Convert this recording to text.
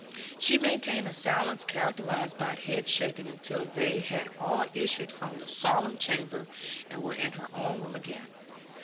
She maintained a silence characterised by head shaking, until they had all issued from the solemn chamber and were in her own room again.